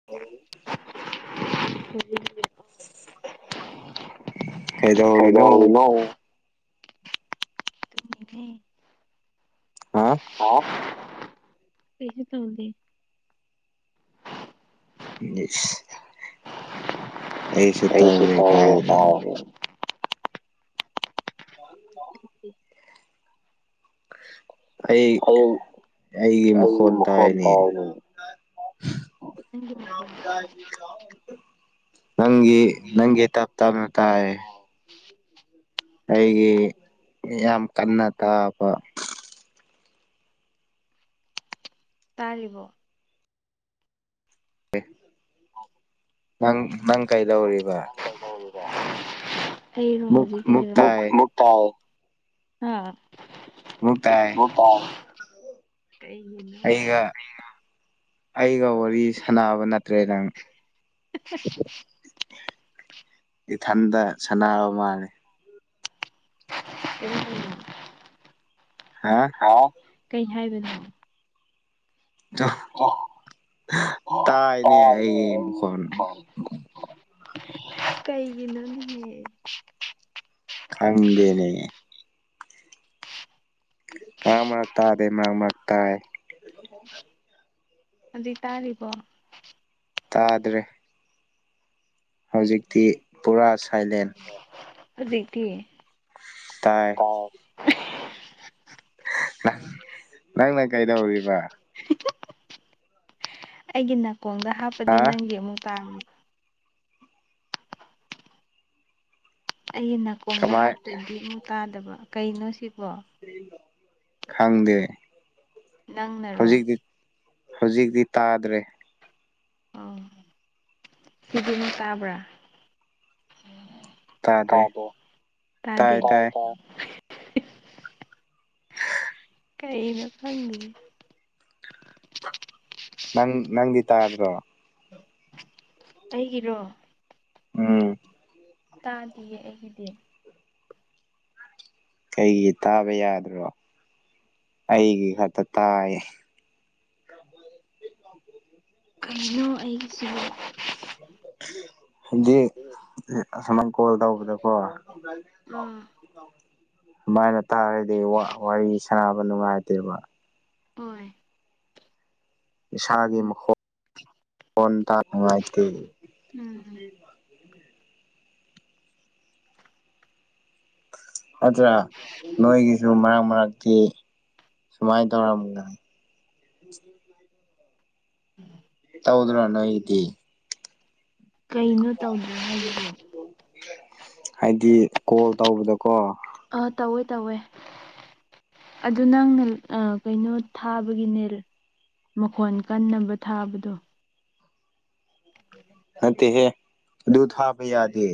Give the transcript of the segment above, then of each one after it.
[inaudible] ꯀꯩꯗꯧꯔꯤꯅꯣ ꯍꯥ [unintelligible] [inaudible] ꯎꯅꯤꯁ [unintelligible] ꯑꯩꯁꯨ ꯇꯧꯔꯦ ꯇꯥꯎ ꯀꯥꯏꯅ ꯇꯥꯎ ꯑꯣꯀꯦ [unintelligible] ꯑꯩ ꯑꯩꯒꯤ ꯃꯈꯣꯟ ꯇꯥꯏꯅꯤ ꯅꯪꯒꯤ ꯃꯈꯣꯟ ꯄ ꯁ [unintelligible] ꯅꯪꯒꯤ ꯅꯪꯒꯤ ꯇꯞ ꯇꯞꯅ ꯇꯥꯏ ꯑꯩꯒꯤ ꯌꯥꯝ ꯀꯟꯅ ꯇꯥꯕ ꯇꯥꯔꯤꯕ ꯅꯪ ꯅꯪ ꯀꯩꯗꯧꯔꯤꯕ ꯍꯩꯔꯣ ꯃꯨꯛ ꯍꯧꯖꯤꯛ ꯃꯨꯛ ꯇꯥꯏ [unintelligible] ꯇ ꯃꯨꯛ ꯇꯥꯏ ꯀꯩꯅꯤ ꯑꯩꯒ [inaudible] ꯑꯩꯒ ꯋꯥꯔꯤ ꯁꯥꯟꯅꯕ ꯅꯠꯇ꯭ꯔꯦ ꯅꯪ [inaudible] ꯏꯊꯟꯗ ꯁꯅꯥꯕ ꯃꯥꯜꯂꯦ ꯀ [unintelligible] ꯍꯥ ꯑꯣ ꯀꯩ ꯍꯥꯏꯕꯅꯣ ꯇꯥꯏꯅꯦ ꯑꯩꯈꯣꯟ ꯀꯩꯒꯤꯅꯣ ꯈꯪꯗꯅꯦ ꯑ ꯃꯥꯥꯛꯇꯥꯗꯦ ꯃꯥ ꯃꯥꯥꯛꯇꯥꯥ [unintelligible] ꯦ [inaudible] ꯑꯗꯨ ꯇꯥꯔꯤꯕꯣ ꯇꯥꯗ꯭ꯔꯦ ꯍꯧꯖꯤꯛꯇꯤ ꯄꯨꯔꯥ ꯁꯥꯏꯂꯦꯟ ꯖꯤꯇꯤ ꯇꯥꯏ ꯅꯪꯅ ꯀꯩꯗꯧꯔꯤꯕ ꯑꯩꯒꯤ ꯅꯥꯀꯣꯡꯗ ꯍꯥꯞꯄꯗꯤ ꯍꯥ ꯅꯪꯒꯤ ꯑꯃꯨꯛ ꯇꯥꯡꯉꯅꯤ ꯑꯩ ꯅꯥꯀꯣꯡꯗ ꯀꯃꯥꯏ ꯍꯥꯞꯇꯣꯏꯗꯤ ꯑꯃꯨꯛ ꯇꯥꯗꯕ ꯀꯩꯅꯣ ꯁꯤꯕꯣ ꯈꯪꯗꯦ ꯅꯪꯅꯔꯣ ꯍꯧꯖꯤꯛꯗꯤ ꯍꯧꯖꯤꯛꯇꯤ ꯇꯥꯗ꯭ꯔꯦ ꯑ ꯁꯤꯗꯤꯅ ꯇꯥꯕ꯭ꯔꯥ ꯇꯥꯗꯦ ꯕꯣ ꯇꯥꯏ ꯇꯥꯏ ꯀꯩꯅ ꯐꯪ ꯅꯪ ꯅꯪꯗꯤ ꯇꯥꯗ꯭ꯔꯣ ꯑꯩꯒꯤꯔꯣ ꯑꯣ ꯇꯥꯗꯌꯦ ꯑꯩꯒꯤꯗꯤ ꯀꯩꯒꯤ ꯇꯥꯕ ꯌꯥꯗ꯭ꯔꯣ ꯑꯩꯒꯤ ꯈꯛꯇ ꯇꯥꯏ ꯀꯩꯅꯣ ꯑꯩꯒꯤꯁ ꯗꯤ ꯑꯁꯨꯃꯅ ꯀꯣꯜ ꯇꯧꯕꯗꯀꯣ ꯑꯥ ꯁꯨꯃꯥꯏꯅ ꯇꯥꯔꯗꯤ ꯋꯥꯔꯤ ꯁꯅꯕ ꯅꯨꯡꯉꯥꯏꯇꯦꯕ ꯍꯣꯏ ꯏꯁꯥꯒꯤ ꯃꯈꯣꯟ ꯃꯈꯣꯟ ꯇꯥ ꯉꯥꯏꯇꯦ ꯎꯝꯝ ꯑꯗꯨꯠꯇ꯭ꯔ ꯅꯣꯏꯒꯤꯁꯨ ꯃꯔꯛ ꯃꯔꯛꯇꯤ ꯁꯨꯃꯥꯏꯅ ꯇꯧꯔꯝꯃꯤꯅꯤ ꯃꯥ ꯎꯝ ꯇꯧꯗ꯭ꯔꯣꯅꯣ ꯑꯩꯗꯤ ꯀꯩꯅꯣ ꯇꯧꯗꯦ ꯍꯥꯏꯕꯗꯨ ꯍꯥꯏꯗꯤ ꯀꯣꯜ ꯇꯧꯕꯗꯀꯣ ꯑꯥ ꯇꯧꯋꯦ ꯇꯧꯋꯦ ꯑꯗꯨꯣ ꯅꯪꯅ ꯀꯩꯅꯣ ꯊꯥꯕꯒꯤꯅꯦ ꯃꯈꯣꯟ ꯀꯟꯅꯕ ꯊꯥꯕꯗꯣ ꯅꯠꯇ ꯗꯨꯊ ꯄ ꯌꯥꯗ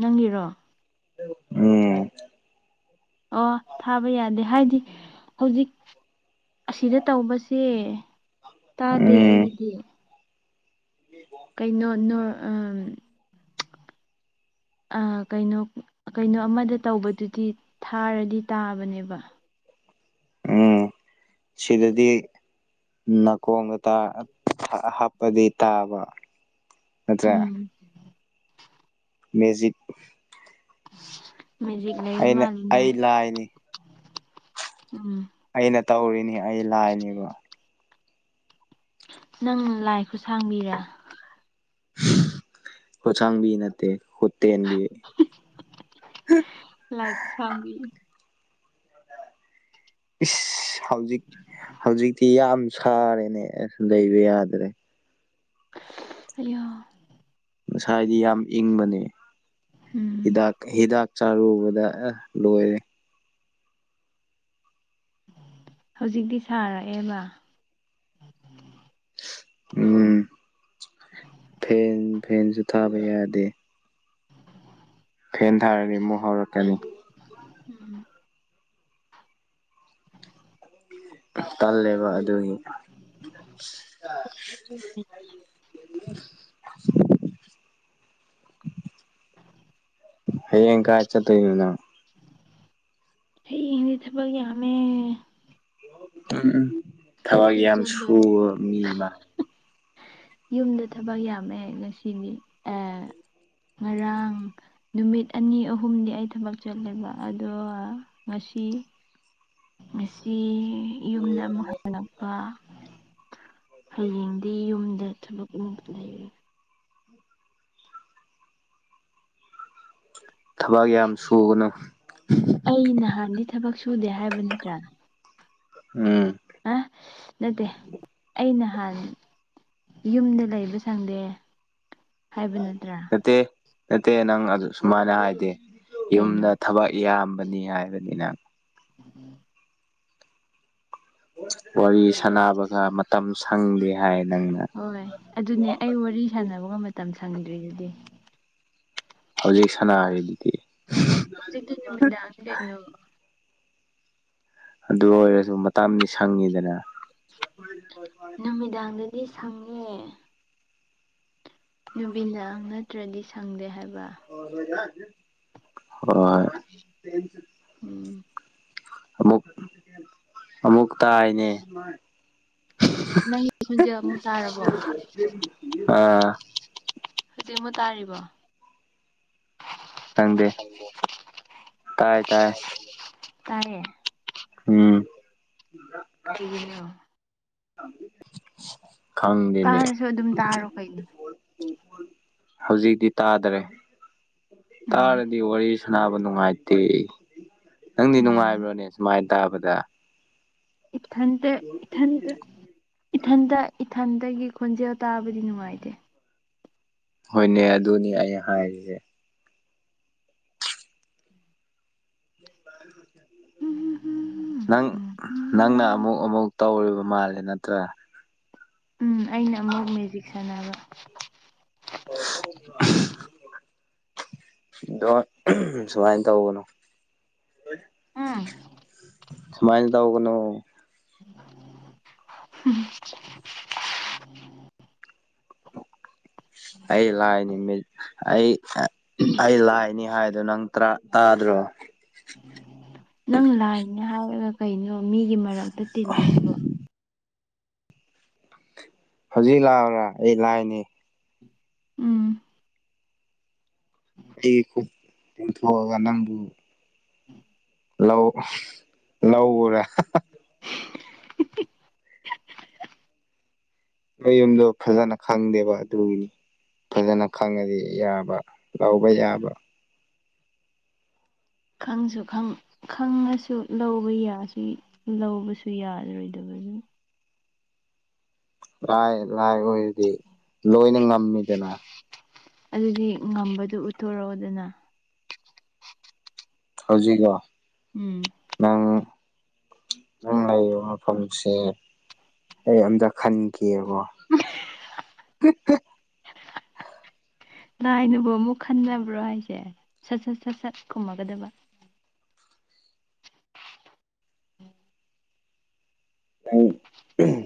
ꯅꯪꯒꯤꯔꯣ ꯎꯝ ꯑꯣ ꯊꯥꯕ ꯌꯥꯗꯦ ꯍꯥꯏꯗꯤ ꯍꯧꯖꯤꯛ ꯑꯁꯤꯗ ꯇꯧꯕꯁꯦ ꯇꯥꯗꯦ ꯑꯩꯗꯤ ꯎ ꯀꯩꯅꯣ ꯅ ꯎ [unintelligible] ꯀꯩꯅꯣ ꯀꯩꯅꯣ ꯑꯃꯗ ꯇꯧꯕꯗꯨꯗꯤ ꯊꯥꯔꯗꯤ ꯇꯥꯕꯅꯦꯕ ꯎꯝ ꯁꯤꯗꯗꯤ ꯅꯥꯀꯣꯡꯗ ꯍꯥꯞꯄꯗꯤ ꯇꯥꯕ ꯅꯠꯇ꯭ꯔꯦ ꯎꯝ ꯃꯦꯖꯤꯠ ꯃꯦꯌꯖꯤꯛ ꯂꯩꯕ ꯑꯩꯅ ꯃꯥꯔꯤꯅ ꯑꯩ ꯂꯥꯏꯅꯤ ꯎꯝ ꯑꯩꯅ ꯇꯧꯔꯤꯅꯤ ꯑꯩ ꯂꯥꯏꯅꯦꯕ ꯅꯪ ꯂꯥꯏ ꯈꯨ ꯁꯥꯡꯕꯤꯔ ꯍꯠꯁꯥꯡꯕꯤ ꯅꯠꯇꯦ ꯈꯨꯇꯦꯟꯕꯤ ꯂꯥꯏꯒ ꯆꯒꯤ ꯏꯁ ꯍꯧꯖꯤꯛ ꯍꯧꯖꯤꯛꯇꯤ ꯌꯥꯝ ꯁꯥꯔꯦꯅꯦ ꯑꯁ ꯂꯩꯕ ꯌꯥꯗ꯭ꯔꯦ ꯑ ꯉꯁꯥꯏꯗꯤ ꯌꯥꯝ ꯏꯪꯕꯅꯤ ꯎꯝ ꯍꯤꯗꯥꯛ ꯍꯤꯗꯥꯛ ꯆꯥꯔꯨꯕꯗ ꯂꯣꯏꯔꯦ ꯍꯧꯖꯤꯛꯇꯤ ꯁꯥꯔꯛꯑꯦꯕ ꯎꯝ ꯐꯦꯟ ꯐꯦꯟꯁꯨ ꯊꯥꯕ ꯌꯥꯗꯦ ꯐꯦꯟ ꯊꯥꯔꯅꯤ ꯃꯣꯍꯛ ꯀꯅꯤ ꯎꯝ ꯇꯜꯂꯦꯕ ꯑꯗꯨꯒꯤ [inaudible] ꯍꯌꯦꯡ ꯀ ꯆ ꯇꯅ ꯍ ꯍꯗꯤ ꯊꯕ ꯑꯃꯝꯃꯦ ꯎꯝ ꯎꯝ ꯆꯠꯇꯤ ꯊꯕꯏꯒꯤ ꯌꯥꯝ ꯆꯠꯂꯣꯏ ꯁꯨꯕ ꯃꯤ ꯑꯃ ꯌꯨꯝꯗ ꯊꯕꯛ ꯌꯥꯝꯃꯦ ꯉꯁꯤꯗꯤ ꯑꯦ ꯑ ꯉꯔꯥꯡ ꯅꯨꯃꯤꯠ ꯑꯅꯤ ꯑꯍꯨꯝꯗꯤ ꯑꯩ ꯊꯕꯛ ꯆꯠꯂꯦꯕ ꯑꯗꯨꯒ ꯉꯁꯤ ꯉꯁꯤ ꯌꯨꯝꯗ ꯑꯃꯨꯛ ꯍꯜꯂꯛꯄ ꯍꯌꯦꯡꯗꯤ ꯌꯨꯝꯗ ꯊꯕꯛ ꯂꯩꯔꯦ ꯊꯕꯛ ꯌꯥꯝ ꯁꯨꯒꯅꯨ ꯑꯩ ꯅꯍꯥꯟꯗꯤ ꯊꯕꯛ ꯁꯨꯗꯦ ꯍꯥꯏꯕ ꯅꯠꯇ꯭ꯔꯥ ꯎꯝ ꯑ ꯅꯠꯇꯦ ꯑ ꯅꯍꯥꯟ ꯌꯨꯝꯗ ꯂꯩꯕ ꯆꯪꯗꯦ ꯅꯠꯇꯦ ꯅꯠꯇꯦ ꯅꯪ ꯑꯗꯨ ꯁꯨꯃꯥꯏꯅ ꯍꯥꯏꯗꯤꯦ ꯀꯩꯅꯣ ꯌꯨꯝꯗ ꯊꯕꯛ ꯏꯌꯥꯝꯕꯅꯤ ꯍꯥꯏꯕꯅꯤꯅ ꯎꯝ ꯎꯝ ꯋꯥꯔꯤ ꯁꯥꯟꯅꯕꯒ ꯃꯇꯝ ꯁꯪꯗꯦ ꯍꯥꯏ ꯅꯪꯅ ꯍꯣꯏ ꯑꯗꯨꯅꯦ ꯑꯩ ꯋꯥꯔꯤ ꯁꯥꯟꯅꯕꯒ ꯃꯇꯝ ꯁꯪꯗ꯭ꯔꯤꯗꯨꯗꯤ ꯍꯧꯖꯤꯛ ꯁꯥꯟꯅꯔꯤꯗꯨꯗꯤ ꯍꯧꯖꯤ ꯀ ꯅꯨꯃꯤꯗꯥ ꯀꯩꯅꯣ ꯑꯗꯨ ꯑꯣꯏꯔꯁꯨ ꯃꯇꯝꯗꯤ ꯁꯪꯉꯤꯗꯅ ꯅꯨꯃꯤꯗꯥꯡꯗꯗꯤ ꯁꯪꯉꯦ ꯅꯨꯕꯤꯗ ꯅꯠꯇ꯭ꯔꯗꯤ ꯁꯪꯗꯦ ꯍꯥꯏꯕ ꯍꯣꯏ ꯎꯝ ꯑꯃꯨꯛ ꯑꯃꯨꯛ ꯇꯥꯏꯅꯦ ꯅ ꯈꯨꯟꯁꯦ ꯑꯃꯨꯛ ꯇꯥꯔꯕꯣ ꯑꯥ ꯍꯧꯖꯤꯛ ꯑꯃꯨꯛ ꯇꯥꯔꯤꯕꯣ ꯈꯪꯗꯦ ꯇꯥꯏ ꯇꯥꯏ ꯇꯦ ꯑꯣꯝ ꯎꯝ ꯎ ꯑꯝ ꯇꯥꯔꯁꯨ ꯑꯗꯨꯝ ꯇꯥꯔꯣ ꯀꯩꯅꯣ ꯍꯧꯖꯤꯛꯇꯤ ꯇꯥꯗꯔꯦ ꯎꯝ ꯇꯥꯔꯗꯤ ꯋꯥꯔꯤ ꯁꯅꯥꯕꯨ ꯅꯨꯡꯉꯥꯏꯇꯦ ꯅꯪꯗꯤ ꯎꯝ ꯅꯨꯡꯉꯥꯏꯕ꯭ꯔꯣꯅꯦ ꯁꯨꯃꯥꯏꯅ ꯇꯥꯕꯗ ꯏꯊꯟꯇ ꯏꯊꯟꯇ ꯏꯊꯟꯇ ꯏꯊꯟꯇꯗꯒꯤ ꯈꯣꯟꯖꯦꯜ ꯇꯥꯕꯗꯤ ꯅꯨꯡꯉꯥꯏꯇꯦ ꯍꯣꯏꯅꯦ ꯑꯗꯨꯅꯤ ꯑꯩ ꯍꯥꯏꯔꯤꯁꯦ ꯀ ꯎ ꯍ ꯅꯪ ꯅꯪꯅ ꯑꯃꯨꯛ ꯑꯃꯨꯛ ꯇꯧꯔꯤꯕ ꯃꯥꯜꯂꯦ ꯅꯠꯇ꯭ꯔꯥ ꯎꯝ ꯑꯩꯅ ꯑꯃꯨꯛ ꯃꯦꯖꯤꯛ ꯁꯥꯟꯅꯕ ꯍ ꯗꯣ ꯁꯨꯃꯥꯏ ꯇꯧꯒꯅꯣ ꯎꯝ ꯁꯨꯃꯥꯏ ꯇꯧꯀꯅꯣ ꯎ ꯑꯩ ꯂꯥꯏꯅꯤ ꯃꯤ ꯑꯩ ꯑꯩ ꯂꯥꯏꯅꯤ ꯍꯥꯏꯗ ꯅꯪ ꯇꯥꯗ꯭ꯔꯣ ꯅꯪ ꯂꯥꯏꯅꯦ ꯍꯥꯏꯔꯒ ꯀꯩꯅꯣ ꯃꯤꯒꯤ ꯃꯔꯛꯇ ꯇꯤꯜꯂꯤꯁꯤꯕꯣ ꯍꯧꯖꯤꯛ ꯂꯥꯛꯑ꯭ꯔꯥ ꯑꯩ ꯂꯥꯏꯅꯦ ꯎꯝ ꯑꯩꯒꯤ ꯈꯨ ꯇꯤꯡꯊꯣꯛꯑꯒ ꯅꯪ ꯎꯝ ꯂꯧ ꯂꯧ ꯎꯔꯦ [inaudible] ꯃꯌꯨꯝꯗꯣ ꯐꯖꯅ ꯈꯪꯗꯦꯕ ꯑꯗꯨꯒꯤ ꯐꯖꯅ ꯈꯪꯉꯗꯤ ꯌꯥꯕ ꯂꯥꯎꯕ ꯌꯥꯕ ꯈꯪꯁꯨ ꯈꯪ ꯈꯪꯉꯁꯨ ꯂꯧꯕ ꯌꯥ ꯂꯧꯕꯁꯨ ꯌꯥꯔꯔꯣꯏꯗꯕ ꯑꯗꯨ ꯂꯥꯏ ꯂꯥꯏ ꯑꯣꯏꯔꯗꯤ ꯂꯣꯏꯅ ꯉꯝꯃꯤꯗꯅ ꯑꯗꯨꯗꯤ ꯉꯝꯕꯗꯨ ꯎꯠꯊꯣꯔꯛꯑꯣꯗꯅ ꯍꯩꯖꯤꯛꯑꯣ ꯎꯝ ꯅꯪ ꯅꯪ ꯂꯩꯔꯤꯕ ꯃꯐꯝꯁꯦ ꯑꯩ ꯑꯝꯇ ꯈꯟꯒꯦꯕꯣ ꯍ ꯂꯥꯏꯅꯕꯨ ꯑꯃꯨꯛ ꯈꯟꯅꯕ꯭ꯔꯣ ꯍꯥꯏꯁꯦ ꯁꯠ ꯁꯠ ꯁꯠ ꯁꯠ ꯈꯨꯝꯃꯒꯗꯕ ꯍ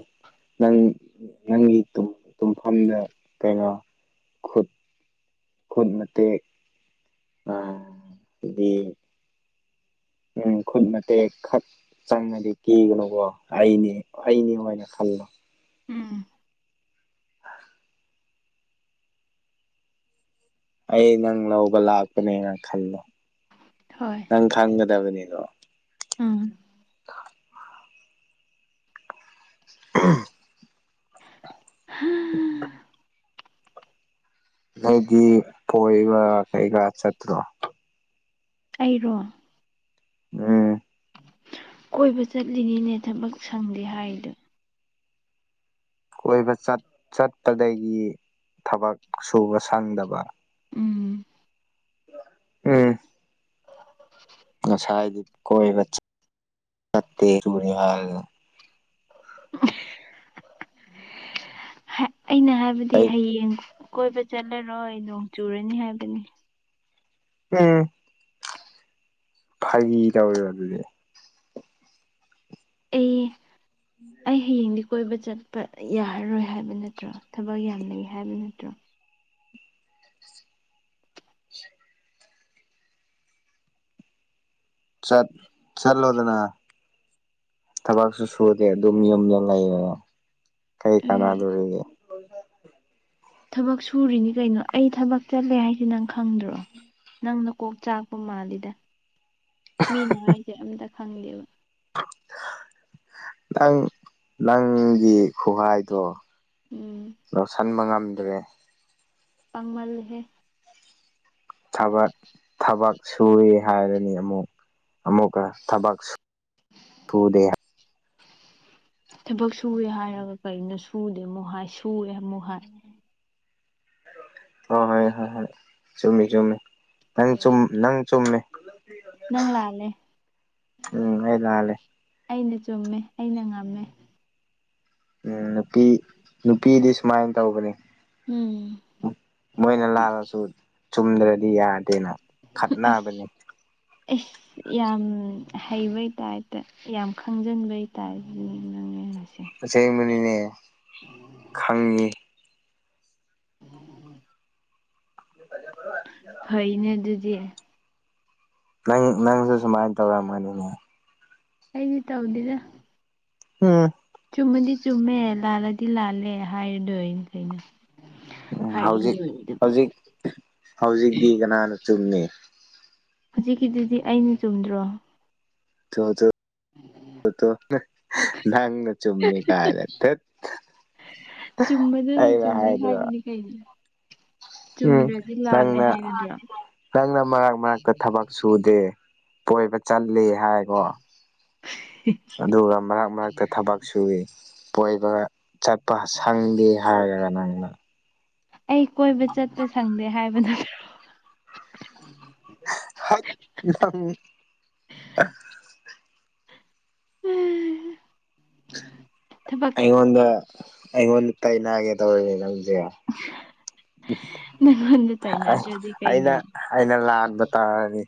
ꯅꯪ ꯅꯪꯒꯤ ꯇꯨꯝꯐꯝꯗ ꯀꯩꯅꯣ ꯈꯨꯠ ꯈꯨꯠ ꯃꯇꯦꯛ ꯍꯥꯏꯗꯤ ꯎꯝ ꯈꯨꯠꯃꯇꯦꯛ ꯈ ꯆꯪꯉꯗꯤ ꯀꯤꯒꯅꯨꯀꯣ ꯑꯩꯅꯦ ꯑꯩꯅꯦ ꯍꯥꯏꯅ ꯈꯜꯂꯣ ꯎꯝ ꯑ ꯑꯩ ꯅꯪ ꯂꯧꯕ ꯂꯥꯛꯄꯅꯦꯅ ꯈꯜꯂꯣ ꯍꯣꯏ ꯅꯪ ꯈꯪꯒꯗꯕꯅꯤꯗꯣ ꯎꯝ ꯎ ꯅꯩꯗꯤ ꯄꯣꯏꯕ ꯀꯩꯀ ꯆꯠꯇ꯭ꯔꯣ ꯑꯩꯔꯣ ꯎꯝ ꯀꯣꯏꯕ ꯆꯠꯂꯤꯅꯤꯅꯦ ꯊꯕꯛ ꯁꯪꯗꯦ ꯍꯥꯏꯗꯣ ꯀꯣꯏꯕ ꯆꯠꯄꯗꯒꯤ ꯊꯕꯛ ꯁꯨꯕ ꯁꯪꯗꯕ ꯎꯝ ꯎꯝ ꯉꯁꯥꯏꯗꯤ ꯀꯣꯏꯕ ꯆꯠꯇꯦꯔꯨꯅꯤ ꯍꯥꯏꯗ ꯍꯦꯛ ꯑꯩꯅ ꯍꯥꯏꯕꯗꯤ ꯑꯩ ꯍꯌꯦꯡ ꯀꯣꯏꯕ ꯆꯠꯂꯔꯣꯏ ꯅꯣꯡ ꯆꯨꯔꯅꯤ ꯍꯥꯏꯕꯅꯤ ꯎꯝ ꯐꯥꯒꯤ ꯇꯧꯋꯤꯔꯣ ꯑꯗꯨꯗꯤ ꯑꯩ ꯑꯩ ꯍꯌꯦꯡꯗꯤ ꯀꯣꯏꯕ ꯆꯠꯄ ꯌꯥꯔꯔꯣꯏ ꯍꯥꯏꯕ ꯅꯠꯇ꯭ꯔꯣ ꯊꯕꯛ ꯌꯥꯝ ꯂꯩ ꯍꯥꯏꯕ ꯅꯠꯇ꯭ꯔꯣ ꯆꯠ ꯆꯠꯂꯣꯗꯅ ꯊꯕꯛꯁꯨ ꯁꯨꯗꯦ ꯑꯗꯨꯝ ꯌꯨꯝꯗ ꯂꯩꯌꯦ ꯀꯔꯤ ꯑꯩ ꯀꯅꯥꯗꯣꯔꯤꯒꯦ ꯊꯕꯛ ꯁꯨꯔꯤꯅꯤ ꯀꯩꯅꯣ ꯑꯩ ꯊꯕꯛ ꯆꯠꯂꯦ ꯍꯥꯏꯁꯦ ꯅꯪ ꯈꯪꯗ꯭ꯔꯣ ꯅꯪ ꯅꯀꯣꯛ ꯆꯥꯛꯄ ꯃꯥꯜꯂꯤꯗ ꯃꯤꯅ ꯍꯥꯏꯁꯦ ꯑꯝꯇ ꯈꯪꯗꯦꯕ ꯅꯪ ꯅꯪꯒꯤ ꯈꯨꯍꯥꯏꯗꯣ ꯎꯝ ꯂꯧꯁꯟꯕ ꯉꯝꯗ꯭ꯔꯦ ꯄꯡꯃꯜꯂꯦꯁꯦ ꯊꯕꯛ ꯊꯕꯛ ꯁꯨꯔꯤ ꯍꯥꯏꯔꯅꯤ ꯑꯃꯨꯛ ꯑꯃꯨꯛꯀ ꯊꯕꯛ ꯁꯨꯗꯦ ꯊꯕꯛ ꯁꯨꯏꯋꯦ ꯍꯥꯏꯔꯒ ꯀꯔꯤꯅꯣ ꯁꯨꯗꯦ ꯑꯃꯨꯛ ꯍꯥꯏ ꯁꯨꯔꯦ ꯑꯃꯨꯛ ꯍꯥꯏ ꯍꯣꯏ ꯍꯣꯏ ꯍꯣꯏ ꯍꯣꯏ ꯆꯨꯝꯃꯤ ꯆꯨꯝꯃꯤ ꯅꯪ ꯆꯨꯝ ꯅꯪ ꯆꯨꯝꯃꯦ ꯅꯪ ꯂꯥꯜꯂꯦ ꯎꯝ ꯑꯩ ꯂꯥꯜꯂꯦ ꯑꯩꯅ ꯆꯨꯝꯃꯦ ꯑꯩꯅ ꯉꯝꯃꯦ ꯎꯝ ꯅꯨꯄꯤ ꯅꯨꯄꯤꯗꯤ ꯁꯨꯃꯥꯏ ꯇꯧꯕꯅꯦ ꯎꯝ ꯃꯣꯏꯅ ꯂꯥꯜꯂꯁꯨ ꯆꯨꯝꯗ꯭ꯔꯗꯤ ꯌꯥꯗꯦꯅ ꯑꯁ ꯈꯠꯅꯕꯅꯤ ꯑꯦꯁ ꯌꯥꯝ ꯍꯩꯕꯩ ꯇꯥꯏꯞꯇ ꯌꯥꯝ ꯈꯪꯖꯟꯕꯩ ꯇꯥꯥꯏꯞ ꯅꯪꯅꯤ ꯅꯪꯁꯦ ꯑꯁꯦꯡꯕꯅꯤꯅꯦ ꯈꯪꯉꯤ [unintelligible] ꯐꯩꯅꯦ ꯑꯗꯨꯗꯤ ꯅꯪ ꯅꯪꯁꯨ ꯁꯨꯃꯥꯏ ꯇꯧꯔꯝꯒꯅꯤꯅꯦ ꯑꯩꯗꯤ ꯇꯧꯗꯦꯗ ꯎꯝ ꯆꯨꯝꯃꯗꯤ ꯆꯨꯝꯃꯦ ꯂꯥꯜꯂꯗꯤ ꯂꯥꯜꯂꯦ ꯍꯥꯏꯔꯗꯣꯏ ꯀꯩꯅꯣ ꯎꯝ ꯍꯥꯏꯔ ꯍꯧꯖꯤꯛ ꯂꯣꯏꯔꯦ ꯗꯨꯕꯨ ꯍꯧꯖꯤꯛ ꯍꯧꯖꯤꯛꯇꯤ ꯀꯅꯥꯅꯣ ꯆꯨꯝꯅꯤ ꯍꯧꯖꯤꯛꯀꯤꯗꯨꯗꯤ ꯑꯩꯅ ꯆꯨꯝꯗ꯭ꯔꯣ [unintelligible] ꯄꯨꯇꯣꯞꯅ ꯅꯪꯅ ꯆꯨꯝꯃꯤ ꯀꯥꯏꯅ ꯇꯠ ꯆꯨꯝꯕꯗꯨꯅ ꯑꯩꯅ ꯆꯨꯝꯅꯤ ꯍꯥꯏꯗꯣꯏꯔꯣ ꯍꯥꯏꯕꯅꯤ ꯀꯩꯅꯦ ꯎꯝ ꯅꯪꯅ ꯅꯪꯅ ꯃꯔꯛ ꯃꯔꯛꯇ ꯊꯕꯛ ꯁꯨꯗꯦ ꯀꯣꯏꯕ ꯆꯠꯂꯤ ꯍꯥꯏ ꯀꯣ ꯑꯗꯨꯒ ꯃꯔꯛ ꯃꯔꯛꯇ ꯊꯕꯛ ꯁꯨꯏ ꯀꯣꯏꯕꯒ ꯆꯠꯄ ꯁꯪꯗꯦ ꯍꯥꯏꯔꯒ ꯅꯪꯅ ꯑꯩ ꯀꯣꯏꯕ ꯆꯠꯄ ꯁꯪꯗꯦ ꯍꯥꯏꯕꯗ ꯍꯥꯏꯠ ꯅꯪ [inaudible] ꯑꯍ ꯑꯩꯉꯣꯟꯗ ꯑꯩꯉꯣꯟꯗ ꯇꯥꯏꯅꯒꯦ ꯇꯧꯔꯤꯅꯦ ꯅꯪꯖꯦ [inaudible] ꯅꯪꯉꯣꯟꯗ ꯇꯥꯏꯅꯗ꯭ꯔꯗꯤ ꯀꯩꯅꯣ ꯑꯩꯅ ꯑꯩꯅ ꯂꯥꯟꯕ ꯇꯥꯔꯅꯤ